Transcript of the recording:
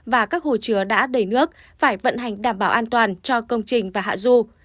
và các hồ chứa đã đầy nước phải vận hành đảm bảo an toàn cho công trình và hạ du